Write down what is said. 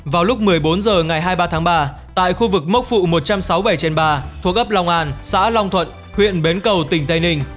vào lúc một mươi bốn h ngày hai mươi ba tháng ba tại khu vực mốc phụ một trăm sáu mươi bảy trên ba thuộc ấp long an xã long thuận huyện bến cầu tỉnh tây ninh